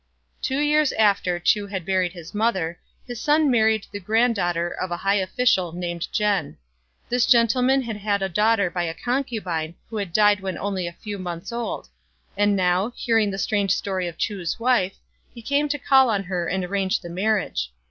Two years after Chu had buried his mother, his son married the granddaughter of 'a high official named Jen. This gentleman had had a daughter by a concubine, who had died when only a few months old ; and now, hearing the strange story of Chu's wife, came to call on her and arrange the marriage.